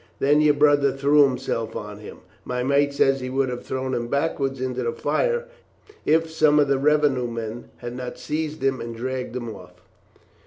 Then your brother threw himself on him. My mate says he would have thrown him backwards into the fire, if some of the revenue men had not seized him and dragged him off.